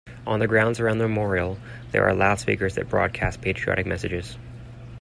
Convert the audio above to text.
On the grounds around the memorial, there are loudspeakers that broadcast patriotic messages.